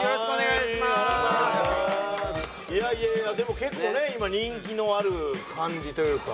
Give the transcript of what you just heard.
いやいやいやでも結構ね今人気のある感じというか。